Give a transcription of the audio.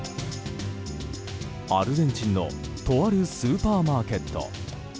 アルゼンチンのとあるスーパーマーケット。